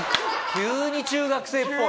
急に中学生っぽい。